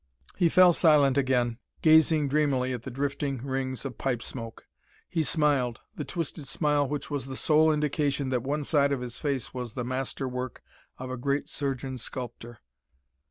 He fell silent again, gazing dreamily at the drifting rings of pipe smoke. He smiled, the twisted smile which was the sole indication that one side of his face was the master work of a great surgeon sculptor.